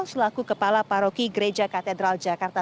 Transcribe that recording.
selaku kepala paroki gereja katedral jakarta